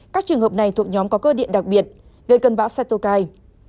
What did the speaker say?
các trường hợp này thuộc nhóm có cơ điện đặc biệt gây cân bão cytokine